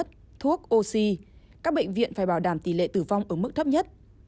thuốc oxy các bệnh viện phải bảo đảm tỷ lệ tử vong ở mức thấp nhất